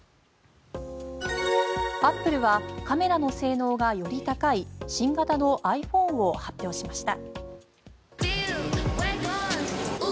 アップルはカメラの性能がより高い新型のｉＰｈｏｎｅを発表しました。